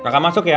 kakak masuk ya